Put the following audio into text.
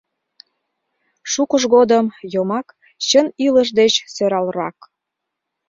Шукыж годым йомак чын илыш деч сӧралрак.